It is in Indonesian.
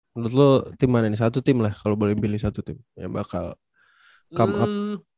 menurut lo tim mana ini satu tim lah kalau boleh milih satu tim yang bakal come up